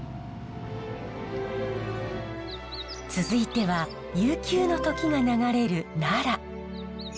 続いては悠久の時が流れる奈良。